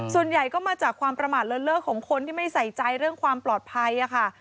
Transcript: ส่วนใหญ่ก็มาจากความประมาทเลินเลิกของคนที่ไม่ใส่ใจเรื่องความปลอดภัยค่ะ